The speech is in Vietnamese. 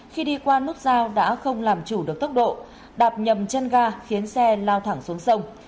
khi đi qua nút giao đã không làm chủ được tốc độ đạp nhầm chân ga khiến xe lao thẳng xuống sông